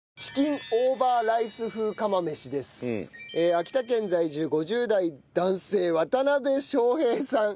秋田県在住５０代男性渡部昌平さん。